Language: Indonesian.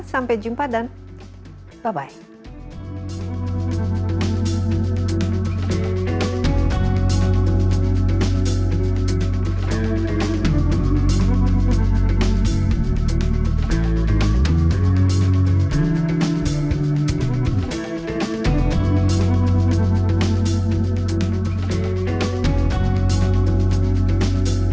sampai jumpa dan bye bye